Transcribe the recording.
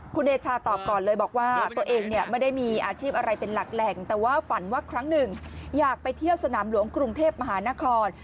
คุณเดชาตอบก่อนเลยบอกว่าตัวเองเนี่ยไม่ได้มีอาชีพอะไรเป็นหลักแหล่งแต่ว่าฝันว่าครั้งหนึ่งอยากไปเที่ยวสนามหลวงกรุงเทพมหานคร